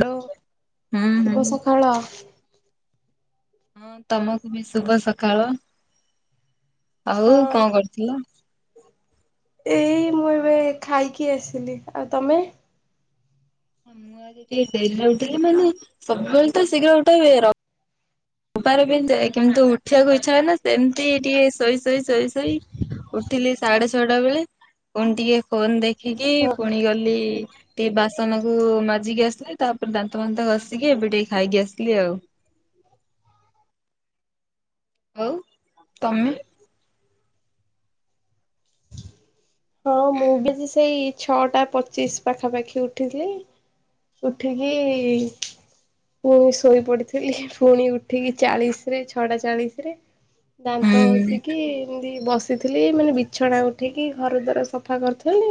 Hello, ହୁଁ ହୁଁ ଶୁଭ ସକାଳ। ହଁ, ତମକୁ ବି ଶୁଭ ସକାଳ। ଆଉ ହଁ କଣ କରୁଥିଲ? ଏଇ ମୁଁ ଏବେ ଖାଇକି ଆସିଲି। ଆଉ ତମେ? ମୁଁ ଆଜି ଟିକେ ଡେରିରେ ଉଠିଲି ମାନେ ସବୁବେଳେ ତ ଶୀଘ୍ର ଉଠେ। ର ତାର ବି ଏମିତି କିନ୍ତୁ ଉଠିବାକୁ ଇଚ୍ଛା ହଏ ନା। ସେମିତି ଟିକେ ଶୋଇ ଶୋଇ ଶୋଇ ଶୋଇ ଉଠିଲି ସାଢେ ଛଅଟା ବେଳେ। ପୁଣି ଟିକେ ଫୋନ ଦେଖିକି ହଁ ହଁ। ପୁଣି ଗଲି ଟିକେ ବାସନକୁୁ ମାଜିକି ଆସିଲି। ତାପରେ ଦାନ୍ତ ଫାନ୍ତ ଘଷିକି ଏବେ ଟିକେ ଖାଇକି ଆସିଲି ଆଉ। ଆଉ ତମେ। ହଁ ମୁଁ ବି ସେଇ ଛଅଟା ପଚିଶ ପାଖାପାଖି ଉଠିଥିଲି। ଉଠିକି ପୁଣି ଶୋଇ ପଡିଥିଲି। ପୁଣି ଉଠିକି ଚାଳିଶରେ ଛଅଟା ଚାଳିଶ ରେ ଦାନ୍ତ ହୁଁ ଘଷିକି ଏମତି ବସିଥିଲି। ମାନେ ବିଛଣା ଉଠିକି ଘର ଦ୍ବାର ସଫା କରିଥିଲି।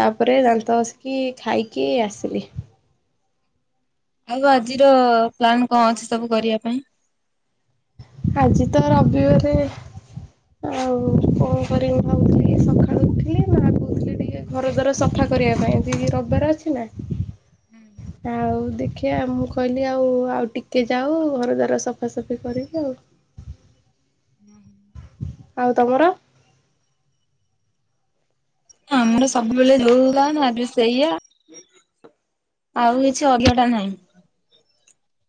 ତାପରେ ଦାନ୍ତ ଘସିକି ଖାଇକି ଆସିଲି। ଆଉ ଆଜିର ପ୍ଲାନ କଣ ଅଛି। ସବୁ କରିବା ପାଇଁ ଆଜି ତ ରବିବାରେ ଆଉ କଣ କରି ଭାବୁଥିଲି ସକାଳୁ ଉଠିଲି ମା କହୁଥିଲେ ଟିକେ ଘର ଦ୍ଵାର ସଫା କରିବା ପାଇଁ ଦି ରବିବାର ଅଛି ନା ହୁଁ ଆଉ ଦେଖିବା ମୁଁ କହିଲି ଆଉ ଆଉ ଟିକେ ଯାଉ ଘର ଦ୍ୱାର ସଫାସଫି କରିକି ଆଉ [inaudible] ଆଉ ତମର ଆମର ସବୁବେଳେ ଧଉ ବା ନ ହେଲେ ସେଇଆ ଆଉ କିଛି ଅଜଟା ନାହିଁ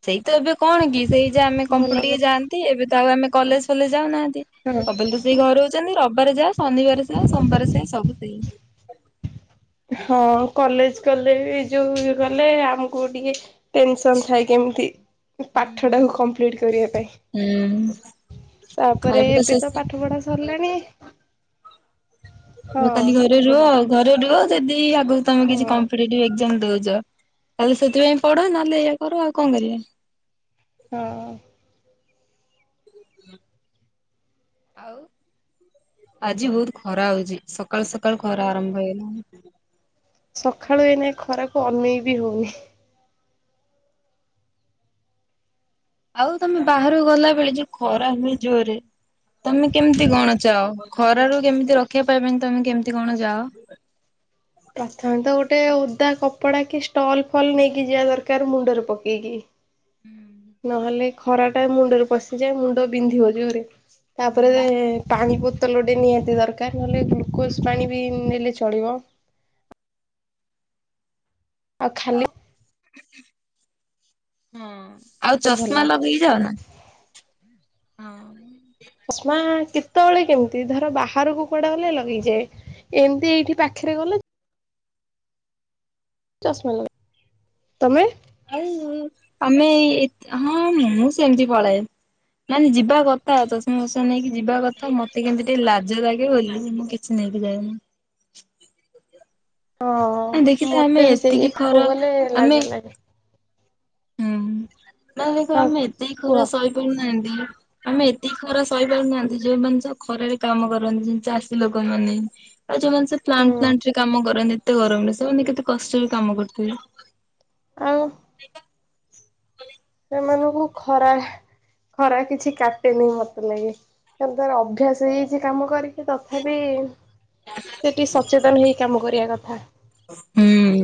ସେଇ ତ ଏବେ କଣ କି ସେଇ ଯେ ଆମେ ଭଲ କମ୍ପୁଟର ଟିକେ କଥା ଯାଆନ୍ତି ଏବେ ତ ଆଉ ଆମେ କଲେଜ ଫଲେଜ ଯାଉନାହାନ୍ତି ହଁ ସବୁବେଳେ ତ ସେଇ ଘରେ ହଉଛନ୍ତି ରବିବାର ଯା ଶନିବାର ଯାହା ସୋମବାର ସେୟା ସବୁ ସେଇ ହଁ କଲେଜ ଗଲେ ବି ଯୋଉ ଇ କଲେ ଆମକୁ ବି ଟିକେ ଟେନସନ ଥାଏ କେମିତି ହୁଁ ପାଠ ହୁଁ। ଟାକୁ କମ୍ପ୍ଲିଟ କରିବା ପାଇଁ ହୁଁ ତାପରେ ଏବେ ତ ପାଠ ପଢା ସରିଲାଣି ହଁ କାଲି ଘରେ କୁହ ରୁହ ଆ ଘରେ ରୁହ ଯଦି ଆଗକୁ ତମେ ହଁ କିଛି କମ୍ପିଟେଟିଭ୍ ଏକ୍ଜାମ୍ ଦଉଛ ତାହେଲେ ସେଥିପାଇଁ ପଢ ନହେଲେ ଇଆ କର ଆଉ କଣ କରିବା ହଁ ଆଉ ଆଜି ବହୁତ ଖରା ହଉଛି ସକ୍ ସକାଳ ସକାଳୁ ଖରା ହଁ। ଆରମ୍ଭ ହେଇଗଲାଣି ସକାଳୁ ଏଇନେ ଖରାକୁ ଅନେଇ ବି ହଉନି ଆଉ ତମେ ବାହହାରକୁ ଗଲା ବେଳେ ଯୋଉ ଖରା ହୁଏ ଜୋରରେ ତମେ କେମିତି କଣ ଅଛ ଖରା ରୁ କେମିତି ରକ୍ଷିବା ପାଇ ପାଇଁ ତମେ କେମତି କଣ ଯାଅ ପ୍ରଥମେ ତ ଗୋଟେ ଓଦା କପଡ଼ା କି ଷ୍ଟଲ୍ ଫଲ୍ ନେଇକି ଯିବା ଦରକାର ମୁଣ୍ଡରେ ପକେଇକି ହୁଁ ନହେଲେ ଖରାଟା ମୁଣ୍ଡରେ ପଶିଯାଏ ମୁଣ୍ଡ ବିନ୍ଧିବ ଜୋରରେ ତାପରେ ପାଣି ପ ବତଲଟେ ନିହାତି ଦରକାର ନହେଲେ ଗ୍ଲୁକୋଜ୍ ପାଣି ବି ନେଲେ ଚଳିବ ଆଉ ଖାଲି ହଁ ଆଉ ଭଲ। ଚଷମା ଲଗେଇ ଯାଅ ନା ହଁ ଚଷମା କେତେବେଳେ କେମିତି ଧର ବାହାରକୁ କୁଆଡା ଗଲେ ଲଗେଇଯାଏ ଏମିତି ଏଇଠି ପାଖରେ ଗଲେ ଚାଷମା ଲଗା ତମେ ଆଉ ତ ହଁ ମୁଁ ସେମିତି ପଳାଏ ନାଇଁ ନାଇ ଯିବା କଥା ଚଷମା ଫଷମା ନେଇକି ଯିବା କଥା ମତେ କେମିତି ଟିକେ ଲାଜ ଲାଗେ ବୋଲି ମୁଁ ସେ ନେଇକି ଯାଏନି। ହଁ [unintelligible] ଦେଖିଲେ ଆମେ ମତେ ବି ସେଇ ଏ ଏତିକି ପାଖକୁ ଖରା ଗଲେ ଲାଜ ଆମେ [unintelligible] ଲାଗେ। ହୁଁ ହଁ ଆମେ ଏତିକି କୁହ ଖରା ସହିପାରୁନାହାନ୍ତି। ଯୋଉମାନେ ଯୋଉ ଖରାରେ କାମ କରନ୍ତି, ଚାଷୀ ଲୋକମାନେ। ଆଉ ଯୋଉମାନେ ସେ ପ୍ଲାଣ୍ଟ ହୁଁ। ଫ୍ଲାଣ୍ଟରେ କାମ କରନ୍ତି, ଏତେ ଗରମରେ ସେମାନେ କେତେ କଷ୍ଟରେ କାମ କରୁଥିବେ। ଆଉ। ଆଟା [unintelligible] ସେମାନଙ୍କୁ ଖରା ଖରା କିଛି କାଟେନି ମତେ ଲାଗେ। ତାହାଲେ ତୋର ଅଭ୍ୟାସ ହେଇଯାଇଛି କାମ କରି। ସେ ତଥାପି, ସେ ଟିକେ ସଚେତନ ହେଇ କାମ କରିବା କଥା। ହୁଁ [unintelligible]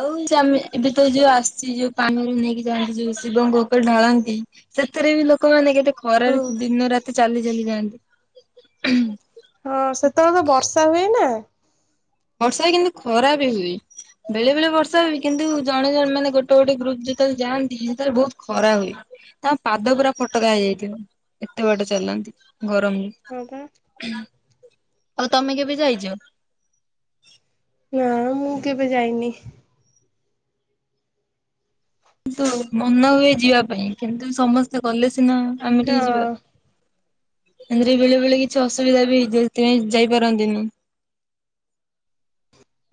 ଆଉ ଚା ଏବେ ତ ଯୋଉ ଆସିଛି। ଯୋଉ ପାଣି ନେଇକି ଯାଆନ୍ତି। ଯୋଉ ଶିବଙ୍କ ଉପରେ ଢାଳନ୍ତି ସେଥିରେ ବି ଲୋକମାନେ କେତେ ହୁଁ ଖରାରେ ଦିନ ରାତି ଚାଲି ଚାଲି ଯାଆନ୍ତି। ହଁ, ସେତେବେଳେ ତ ବର୍ଷା ହୁଏ ନା। ବର୍ଷା କିନ୍ତୁ ଖରା ବି ହୁଏ। ବେଳେ ବେଳେ ବର୍ଷା ହୁଏ। କିନ୍ତୁ ଜଣେ ଜଣ ମାନେ ଗୋଟେ ଗୋଟେ ଗ୍ରୁପ ଯେତେବେଳେ ଯାଆନ୍ତି, ସେତେବେଳେ ବହୁତ ଖରା ହୁଏ। ତାଙ୍କ ପାଦ ପୁରା ଫୋଟକା ହେଇଯାଇଥିବ। ଏତେ ବାଟ ଚାଲନ୍ତି ଗରମରେ‌। ହଁ, ପା। ହଁ। [unintelligible] ଆଉ ତମେ କେବେ ଯାଇଚ? ନା, ମୁଁ କେବେ ଯାଇନି। କିନ୍ତୁ ମନ ହୁଏ ଯିବା ପାଇଁ, କିନ୍ତୁ ସମସ୍ତେ ଗଲେ ସିନା ଆମେ ହଁ ଟିକେ ଯିବା। ଏମିତିରେ ବେଳେ ବେଳେ କିଛି ଅସୁବିଧା ବି ହେଇଯାଉଥାଏ ଯାଇପାରନ୍ତିନି।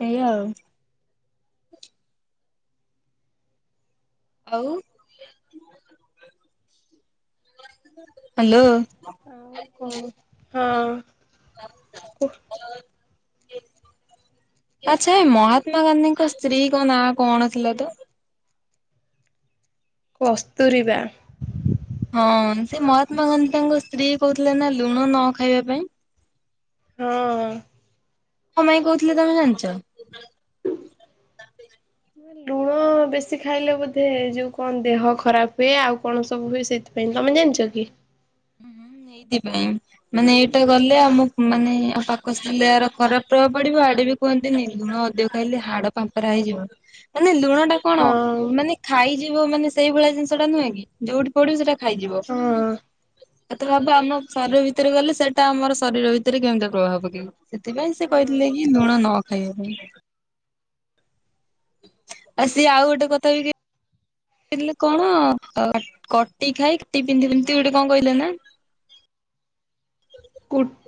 ଏଇଆ ଆଉ। ଆଉ ହାଲୋ। ଆଉ କଣ ହଁ। [unintelligible] କୁହ। [unintelligible] ଆଛା। ଏ ମହାତ୍ମା ଗାନ୍ଧୀଙ୍କ ସ୍ତ୍ରୀଙ୍କ ନାଁ କଣ ଥିଲା ତ? କସ୍ତୁରିବା। ହଁ, ସେ ମହାତ୍ମା ଗାନ୍ଧୀ ତାଙ୍କ ସ୍ତ୍ରୀ କହୁଥିଲେ ନା ଲୁଣ ନ ଖାଇବା ପାଇଁ? ହଁ। କଣ ପାଇଁ କହୁଥିଲେ ତମେ ଜାଣିଛ? ଲୁଣ ହଁ, ବେଶୀ ଖାଇଲେ ବୋଧେ ଯୋଉ କଣ ଦେହ ଖରାପ ହୁଏ, ଆଉ କଣ ସବୁ ହୁଏ ସେଥିପାଇଁ। ତମେ ଜାଣିଛ କି? ହୁଁ, ଏଇଥି ପାଇଁ। ମାନେ ଏଇଟା ଗଲେ, ଆମ ମାନେ [unintelligible] ଆଉ ପାଖ ଏହାର ଖରାପ ପ୍ରଭାବ ପଡିବ ଆଡେ ବି। କୁହନ୍ତିନି? ଲୁଣ ଅଧିକ ଖାଇଲେ ହାଡ ପାମ୍ପରା ହେଇଯିବ। ମାନେ ଲୁଣ ଲୁଣ ଟା ହଁ କଣ ମାନେ ଖାଇଯିବ ମାନେ ସେଇ ଭଳିଆ ଜିନିଷ ଟା ନୁହେଁ କି, ଯୋଉଠି ପଡିବ ସେଇଟା ଖାଇଯିବ। ହଁ ଏତେ [unintelligible] ଭାବ ଆମ ଶରୀର ଭିତରେ ଗଲେ ସେଇଟା ଆମର ଶରୀର ଭିତରେ କେମିତି ପ୍ରଭାବ ପକେଇବ। ସେଥିପାଇଁ ସେ ହୁଁ। କହିଥିଲେ କି ଲୁଣ ନ ଖାଇବା ପାଇଁ। ଆଉ ସିଏ ଆଉ ଗୋଟେ କଥା ବି କଣ, କଟି ଖାଇ କାଟି ପିନ୍ଧି ଗୋଟେ କଣ କହି ଥିଲେ ନା?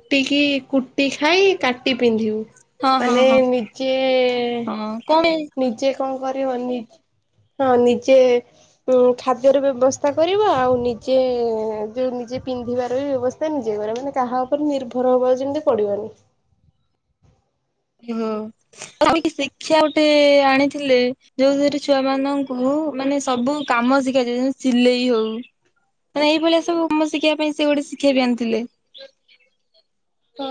କୁଟିକି କୁଟି ଖାଇ କାଟି ପିନ୍ଧିବୁ। ହଁ ହଁ ମାନେ ହଁ। ନିଜେ ହଁ କଣ ପାଇଁ ନିଜେ କଣ କରିବ ନି ହଁ ନିଜେ ଉଁ ଖାଦ୍ୟର ବ୍ୟବସ୍ଥା କରିବା ଆଉ ନିଜେ ଯୋଉ ନିଜେ ପିନ୍ଧିବାର ବ୍ୟବସ୍ ନିଜେ କ ମାନେ କାହା ଉପରେ ନିର୍ଭର ହବ ଯେମିତି ପଡିବନି। ହୁଁ। ଆ ଶିକ୍ଷା ଗୋଟେ ଆଣିଥିଲେ ଯୋଉଥିରେ ଛୁଆ ମାନଙ୍କୁ ମାନେ ସବୁ କାମ ଶିଖାଯାଏ ଯେମିତି ସିଲେଇ ହଉ। ମାନେ ଏଇ ଭଳିଆ ସବୁକାମ ଶଖିଇବା ପାଇଁ ସେ ଗୋଟେ ଶି୍ଷା ବି ଆଣିଥିଲେ। ହଁ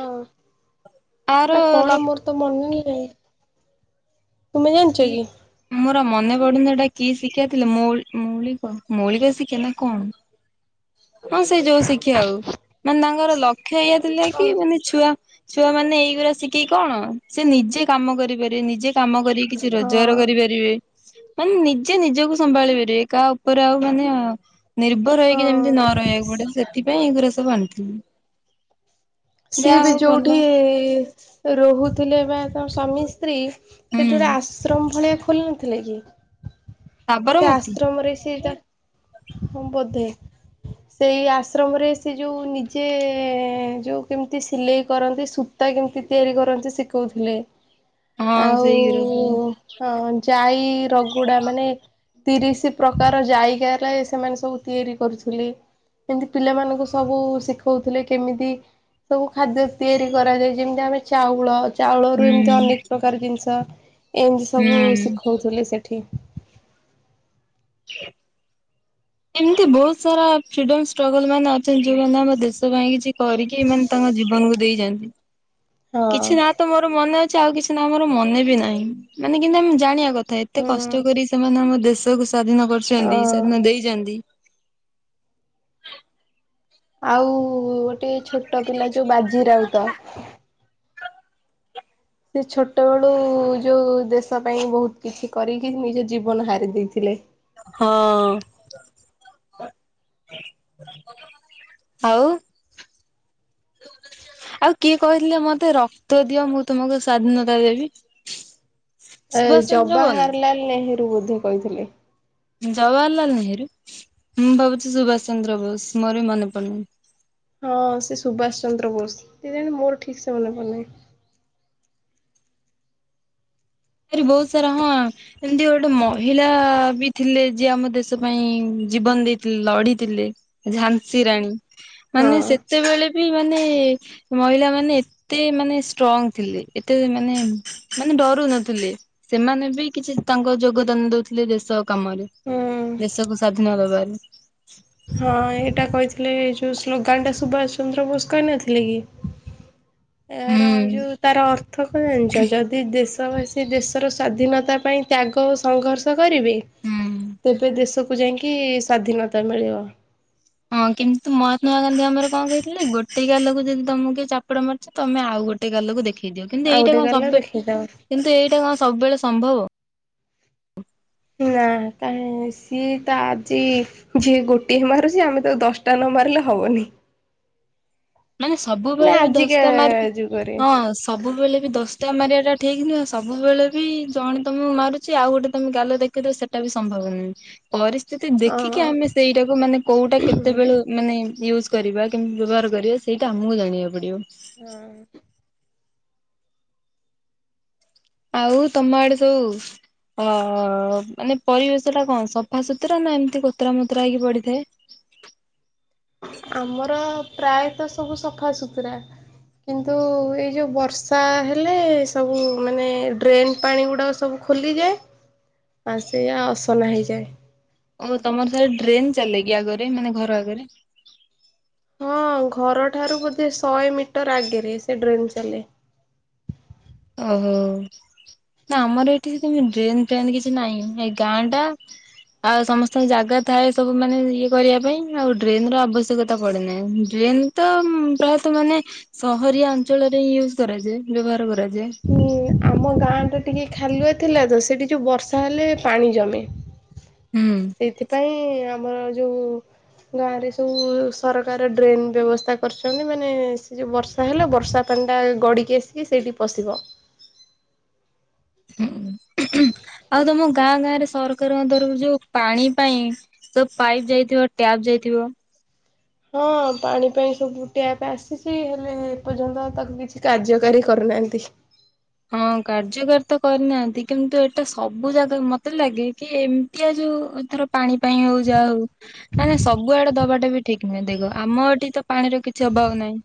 ତାର ସେଟା କଣ ଲ ମୋର ତ ମନେ ନାଇ। ତୁମେ ଜାଣିଛ କି? ମୋର ମନେ ପଡୁନି ଏଟା କି ଶିଖ୍ୟା ଥିଲା ମୌଳିକ ମୌଳିକ ଶିଖା ନା କଣ। [inaudible] ହଁ ସେଇ ଯୋଉ ଶି୍ଖିଆ ଆଉ ମାନେ ତାଙ୍କର ଲକ୍ଷ୍ୟ ଇଆ ଥିଲା କି ହଁ। ମାନେ ଛୁଆ ଛୁଆ ମାନେ ଏଇଗରା ଶିଖେଇ କଣ ସେ ନିଜେ କାମ କରିପାରିବ ନିଜେ କାମ କରି କିଛି ରୋଜଗାର ହଁ କରିପାରିବେ ମାନେ ନିଜେ ନିଜକୁ ସମ୍ଭାଳି ପାରିବେ କାହା ଉପରେ ଆଉ ମାନେ ନିର୍ଭର ହେଇକି ଯେମିତି ନ ହଁ ରହିବାକୁ ପଡିବ ସେଥିପାଇଁ ଏ ଗୁରା ସବୁ ଆଣିଥିଲି। [inaudible] ସିଏ ଯାହା ବି ହଉ ଭଲ। ଯୋଉଠି ରହୁଥିଲେ ବା ତା ସ୍ୱାମୀ ସ୍ତ୍ରୀ ସେଇଠି ହୁଁ ଗୋଟେ ଆଶ୍ରମ ଭଳିଆ ଖୋଲି ନଥିଲା କି? ସେ ସାବରମତୀ ଆଶ୍ରମରେ ସେଟା ହଁ ବଧେ। ସେଇ ଆଶ୍ରମରେ ସେ ଯୋଉ ନିଜେ ଯୋଉ କେମିତି ସିଲେଇ କରନ୍ତି ସୁ ତା କେମିତି ତିଆରି କରନ୍ତି ଶିଖୋଉ ଥିଲେ। ହଁ ସେଇ ଗୁରା ସବୁ। ଯାଇ ରଗୁଡା ମାନେ ତିରିଶ ପ୍ରକାର ଜାଇଗ ସେମାନେ ସବୁ ତିଆରି କରୁଥିଲେ। ଏମତି ପିଲାମାନଙ୍କୁ ସବୁ ଶିଖଉଥିଲେ କେମିତି ସବୁ ଖାଦ୍ୟ ତିଆରି କରାଯାଏ ଯେମିତି ଆମେ ଚାଉଳ ଚାଉଳ ରୁ ଏମତି ହୁଁ। ଅନେକ ପ୍ରକାର ଜିନିଷ ଏମିତି ସବୁ ହୁଁ। ଶିଖଉଥିଲେ ସେଠି। ଏମିତି ବହୁତ ସାରା ଫ୍ରିଡମ ଷ୍ଟ୍ରଗଲ ମାନେ ଅଛନ୍ତି ଯୋଉମାନେ ଆମ ଦେଶ ପାଇଁ କିଛି କରିକି ତମ ଜୀବନକୁ ଦେଇ ଯାନ୍ତି। ହଁ। କିଛି ନାଁ ତ ମୋର ମନେ ଅଛି ଆଉ କିଛି ନା ମୋର ମନେ ବି ନାହିଁ ମାନେ କିନ୍ତୁ ଆମେ ଜାଣିବା କ ଏତେ କଷ୍ଟ ହୁଁ। କରି ସେମାନେ ଆମ ଦେଶକୁ ସ୍ଵାଧୀନ କରୁଛନ୍ତି ହଁ। ସ୍ଵାଧୀନ ଦେଇଛନ୍ତି। ଆଉ ଗୋଟେ ଛୋଟ ପିଲା ଯୋଉ ବାଜି ରାଉ ତ। ସେ ଛୋଟବେଳୁ ଯଉ ଦେଶ ପାଇଁ ବହୁତ କିଛି କରିକି ନିଜ ଜୀବନ ହାରି ଦେଇଥିଲେ। ହଁ ଆଉ। ଆଉ କିଏ କହିଥିଲା ମତେ ରକ୍ତ ଦିଅ ମୁଁ ତମକୁ ସ୍ଵାଧୀନତା ଦେବି? ଏ ସୁଭାଷ ଚନ୍ଦ୍ର ବୋଷ ନା ଜବାହାରଲାଲ ନେହେରୁ ବୋଧେ କହିଥିଲେ। ଜବାହାରଲାଲ ନେହେରୁ ମୁଁ ଭାବୁଛି ସୁଭାଷ ଚନ୍ଦ୍ର ବୋଷ ମୋର ବି ମନେ ପଡୁନି। ହଁ ସେ ସୁଭାଷ ଚନ୍ଦ୍ର ବୋଷ କେ ଜାଣେ ମୋର ଠିକ୍ ସେ ମନେ ପଡୁନି। ବହୁତ ସାରା ହଁ। ଏମିତି ଗୋଟେ ମହିଳା ବି ଥିଲେ ଯିଏ ଆମ ଦେଶ ପାଇଁ ଜୀବନ ଦେଇଥିଲେ ଲଢିଥିଲେ। ଝାନ୍ସୀ ହଁ ରାଣୀ ମାନେ ହୁଁ। ସେତେବେଳେ ବି ମାନେ ମହିଳା ମାନେ ଏତେ ମାନେ ଷ୍ଟ୍ରଙ୍ଗ ଥିଲେ ଏତେ ମାନେ ମାନେ ଡରୁନ ଥିଲେ ସେମାନେ ବି କିଛି ତାଙ୍କ ଯୋଗଦାନ ଦଉଥିଲେ ଦେଶ କାମରେ। ଦେଶକୁ ସ୍ଵାଧୀନ ଦେବାରୁ। ହଁ ଏଇଟା କହିଥିଲେ ଏ ଯୋଉ ସ୍ଲୋଗାନ ଟା ସୁଭାଷ ଚନ୍ଦ୍ର ବୋଷ କହିନଥିଲେ କି? ଏହାର ହୁଁ ଯୋଉ ତାର ଅର୍ଥ କଣ ଜାଣିିଛ, ଯଦି ଦେଶ ସେ ଦେଶର ସ୍ୱାଧୀନତା ପାଇଁ ତ୍ୟାଗ ଓ ସଂଘର୍ଷ କରିବି, ହୁଁ। ତେବେ ଦେଶକୁୁ ଯାଇକି ସ୍ଵାଧୀନତା ମିଳିବ। ହଁ କିନ୍ତୁ ମହାତ୍ମା ଗାନ୍ଧୀ ଆମର କଣ କହିଥିଲେ, ଗୋଟେ ଗାଲକୁ ଯଦି ତମକୁ କିଏ ଚା ପୁଡ଼ା ମାରୁଛି ତମେ ଆଉ ଗୋଟେ ଗାଲକୁ ଦେଖେଇ ଦିଅ, କିନ୍ତୁ ଆଉ ଏଇଟା ଗୋଟେ କଣ ଗାଲ ସବୁ ଦେଖେଇଦବ। କିନ୍ତୁ ଏଇଟା କଣ ସବୁବେଳେ ସମ୍ଭବ? ନା କାହିଁ ସିଏ ତ ଆଜି ଯିଏ ଗୋଟିଏ ମାରୁଛି, ଆମେ ତାକୁ ଦଶଟା ନ ମାରିଲେ ହବନି। ମାନେ ନା ସବୁବେଳେ ବି ଆଜିକା ଦଶା ମାରିକି ଯୁଗରେ। ହଁ ସବୁବେଳେ ବି ଦଶଟା ମାରିବାଟା ଠିକ୍ ନୁହେଁ, ସବୁବେଳେ ବି ଜଣେ ତମକୁ ମାରୁଛି ଆଉ ଗୋଟେ ତମେ ଗାଲ ଦେଖେଇ ଦେବ ସେଟା ସେଟା ବି ସମ୍ଭବ ନୁହେଁ। ପରିସ୍ଥିତି ହଁ। ଦେଖିକି ଆମେ ସେଇଟାକୁ ମାନେ କୋଉଟା କେତେବେଳୁ ମାନେ ୟୂଜ କରିବା କେମିତି ବ୍ୟବହାର କରିବା ସେଇଟା ଆମକୁ ଜାଣିବାକୁ ପଡିବ। ହଁ ଆଉ ତମ ଆଡେ ସବୁ ଅ ମାନେ ପରିବେଶ ଟା କଣ ସଫାସୁତୁରା ନା ଏମିତି କୋତରା ମୋତରା ହେଇକି ପଡିଥାଏ? ଆମର ପ୍ରାୟତଃ ସବୁ ସଫା ସୁୁତୁରା। କିନ୍ତୁ ଏଇ ଯେଉଁ ବର୍ଷା ହେଲେ ସବୁ ମାନେ ଡ୍ରେନ୍ ପାଣି ଗୁଡ଼ାକ ସବୁ ଖୋଲିଯାଏ, ଆଉ ସେଇୟଆ ଅସନା ହେଇଯାଏ। ଓ ତମର ସାଡେ ଡ୍ରେନ୍ ଚାଲେ କିି ଆଗରେ, ମାନେ ଘର ଆଗରେ? ହଁ ଘରଠାରୁ ବୋଧେ ଶହେ ମିଟର ଆଗରେ ସେ ଡ୍ରେନ୍ ଚାଲେ। ଓହୋ, ନା ଆମର ଏଠି ସେମତି ଡ୍ରେନ ଫ୍ରେନ୍ କିଛି ନାହିଁ ଏ ଗାଁ ଟା। ଆଉ ସମସ୍ତଙ୍କ ଜାଗା ଥାଏ ସବୁ ମାନେ ଇଏ କରିବା ପାଇଁ ଆଉ ଡ୍ରେନ ର ଆବଶ୍ୟକତା ପଡେ ନାହିଁ, ଡ୍ରେନ ତ ପ୍ରାୟତଃ ମାନେ ସହରିଆ ଅଞ୍ଚଳରେ ହିଁ ୟୁଜ କରାଯାଏ ବ୍ୟବହାର କରାଯାଏ। ହୁଁ ଆମ ଗାଁ ଟା ଟିକେ ଖାଲୁଆ ଥିଲା ତ ସେଠି ଯୋଉ ବର୍ଷା ହେଲେ ପାଣି ଜମେ। ହୁଁ। ସେଇଥିପାଇଁ ଆମର ଯୋଉ ଗାଁ ରେ ସବୁ ସରକାର ଡ୍ରେନ୍ ବ୍ୟବସ୍ଥା କରିଛନ୍ତି, ମାନେ ସେ ଯୋଉ ବର୍ଷ୍ ତାହେଲେ ବର୍ଷା ପାଣିଟା ଗଡ଼ିକି ଆସିକି ସେଇଠି ପଶିବ। [unintelligible] ହୁଁ। ଆଉ ତମ ଗାଁ ଗାଁ ରେ ସରକାରଙ୍କ ତରଫରୁ ଯୋଉ ପାଣି ପାଇଁ ତ ପାଇପ୍ ଯାଇଥିବ, ଟ୍ୟାପ ଯାଇଥିବ। ହଁ ପାଣି ପାଇଁ ସବୁ ଟ୍ୟାପ୍ ଆସିଛି ହେଲେ ଏପର୍ଯ୍ୟନ୍ତ ତାକୁ କିଛି କାର୍ଯ୍ୟକାରୀ କରୁନାହାନ୍ତି। ହଁ କାର୍ଯ୍ୟକାରୀ ତ କରିନାହାନ୍ତି, କିନ୍ତୁ ଏଇଟା ସବୁ ଜାଗା ମତେ ଲାଗେ କି ଏମିତିଆ ଯୋଉ ଏଥର ପାଣି ପାଇଁ ହଉ ଯା ହଉ ନାଇଁ ନାଇଁ ସବୁଆଡେ ଦବାଟା ବି ଠିକ୍ ନୁହେଁ, ଦେଖ ଆମ ଏଠି ତ ପାଣିର କିଛି ଅଭାବ ନାହିଁ।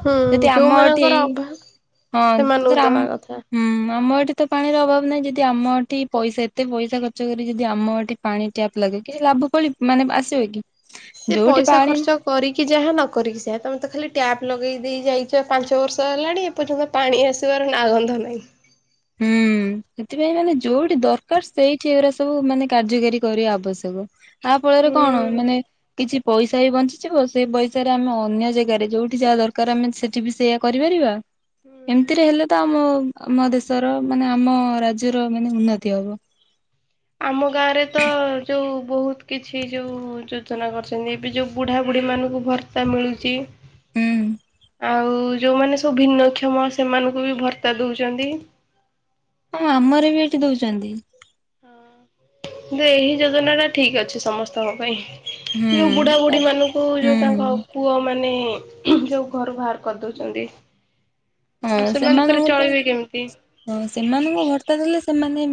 ହୁଁ ଯଦି ଆମ ଏଠି ଯୋଉମାନଙ୍କର ଅଭାବ୍ ହଁ ସେମାନଙ୍କୁ ଧର ଆମ ଦେବା କଥା। ହୁଁ ଆମ ଏଠି ତ ପାଣିର ଅଭାବ ନାହିଁ, ଯଦି ଆମ ଏଠି ପଇସା ଏତେ ପଇସା ଖର୍ଚ୍ଚ କରି ଯଦି ଆମ ଏଠି ପାଣି ଟ୍ୟାପ ଲାଗେ, କି ଲାଭ କଳି ମାନେ ଆସିବ କି? ସେ ଯୋଉଠି ପଇସା ପାଣି ଖର୍ଚ୍ଚ କରିକି ଯାହା ନ କରିକି ସେୟା, ତମେ ତ ଖାଲି ଟ୍ୟାପ୍ ଲଗେଇ ଦେଇ ଯାଇଚ ପାଞ୍ଚ ବର୍ଷ ହେଲାଣି। ଏ ପର୍ଯ୍ୟନ୍ତ ପାଣି ଆସିବାର ନା ଗନ୍ଧ ନାହିଁ। ହୁଁ ସେଥିପାଇଁ ମାନେ ଯୋଉଠି ଦରକାର୍ ସେଇଠି ଏଗୁଡା ସବୁ ମାନେ କାର୍ଯ୍ୟକାରୀ କରିବା ଆବଶ୍ୟକ। ତା ଫଳରେ କଣ ହୁଁ। ହବ, ମାନେ କିଛି ପଇସା ବି ବଞ୍ଚିଯିବ ସେ ପଇସାରେ ଆମେ ଅନ୍ୟ ଜାଗାରେ ଯେଉଁଠି ଯାହା ଦରକାର୍ ଆମେ ସେଇଠି ବି ସେଇଆ କରିପାରିବା। ଏମିତିରେ ହେଲେ ତ ଆମ ଆମ ଦେଶର ମାନେ ଆମ ରାଜ୍ୟର ମାନେ ଉନ୍ନତି ହବ। ଆମ ଗାଁରେ ତ ଯୋଉ ବୋହୁତ୍ କିଛି ଯୋଉ ଯୋଜନା କରିଛନ୍ତି ଏବେ ଯୋଉ ବୁଢ଼ାବୁଢ଼ୀମାନଙ୍କୁ କୁ ଭତା ମିଳୁଚି। ହୁଁ। ଆଉ ଯୋଉମାନେ ସବୁ ଭିନ୍ନକ୍ଷମ ସେମାନଙ୍କୁ ବି ଭର୍ତ୍ତା ଦୋଉଛନ୍ତି। ହଁ ଆମର ବି ଏଠି ଦୋଉଛନ୍ତି। ଏହି ଯୋଜନା ଟା ଠିକ୍ ଅଛି ସମସ୍ତଙ୍କ ପାଇଁ। ହୁଁ ଯୋଉ ବୁଢା ବୁଢ଼ୀ ତାପ ମାନଙ୍କୁ ହୁଁ ଯୋଉ ହୁଁ ତାଙ୍କ ପୁଅମାନେ ଯୋଉ ଘରୁ ବାହାର କରି ଦୋଉଛନ୍ତି। ହଁ ସେମାନଙ୍କୁ ତ କେମିତି? ହଁ ସେମାନଙ୍କୁ ଭର୍ତ୍ତା ଦେଲେ ସେମାନେ